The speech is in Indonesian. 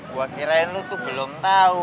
gua kirain lu tuh belum tau